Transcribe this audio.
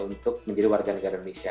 untuk menjadi warga negara indonesia